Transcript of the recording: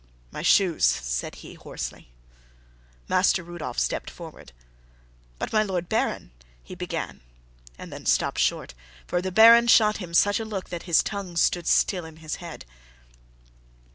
"My shoes," said he, hoarsely. Master Rudolph stepped forward. "But, my Lord Baron," he began and then stopped short, for the Baron shot him such a look that his tongue stood still in his head.